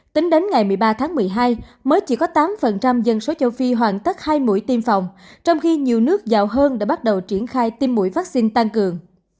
tính đến ngày một mươi ba tháng một mươi hai mới chỉ có tám dân số châu phi hoàn tất hai mũi tiêm phòng trong khi nhiều nước giàu hơn đã bắt đầu triển khai tiêm mũi vaccine tăng cường